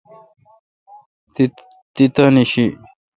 تی تانی شی۔